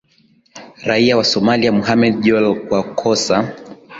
raia wa somalia mohamed jol kwa kosa